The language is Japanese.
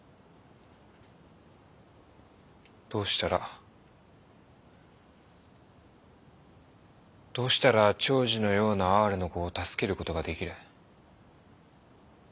どうしたらどうしたら長次のような哀れな子を助ける事ができる？